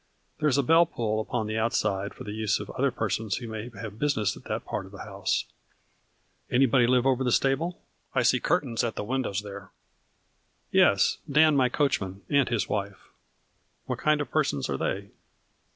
There is a bell pull upon the outside for the use of other persons who may have business at that part of the house.'' " Anybody live over the stable ? I see curtains at the windows there." " Yes, Dan, my coachman, and his wife. " What kind of persons are they?"